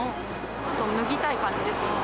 ちょっと脱ぎたい感じです、今。